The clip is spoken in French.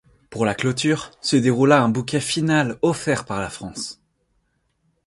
Pour la clôture, se déroula un bouquet final offert par la France.